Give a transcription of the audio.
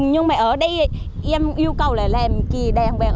nhưng mà ở đây em yêu cầu là lêm kỳ đen